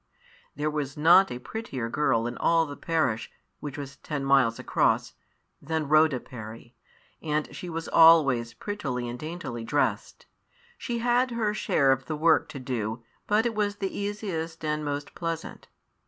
There was not a prettier girl in all the parish, which was ten miles across, than Rhoda Parry, and she was always prettily and daintily dressed. She had her share of the work to do, but it was the easiest and most pleasant.